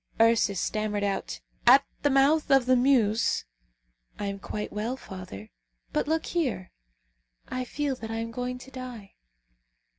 Ursus stammered out, "At the mouth of the Meuse " "I am quite well, father; but look here! I feel that I am going to die!"